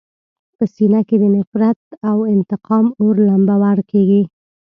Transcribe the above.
په سینه کې د نفرت او انتقام اور لمبور کېږي.